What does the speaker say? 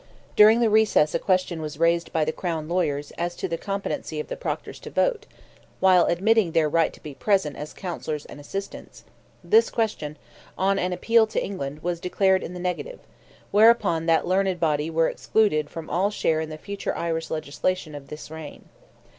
During the recess a question was raised by the Crown lawyers as to the competency of the proctors to vote, while admitting their right to be present as councillors and assistants; this question, on an appeal to England, was declared in the negative, whereupon that learned body were excluded from all share in the future Irish legislation of this reign.